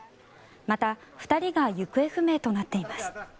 また、２人が行方不明となっています。